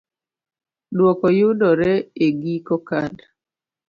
Dwoko yudore e giko kad.